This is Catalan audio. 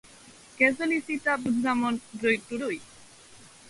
Què sol·licita a Puigdemont, Rull i Turull?